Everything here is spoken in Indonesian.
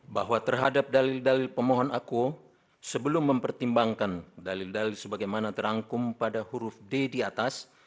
bahwa terhadap dalil dalil pemohon aku sebelum mempertimbangkan dalil dalil sebagaimana terangkum pada huruf d di atas